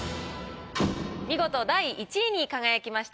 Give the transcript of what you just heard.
見事第１位に輝きました